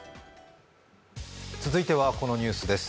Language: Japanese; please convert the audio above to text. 続いては、このニュースです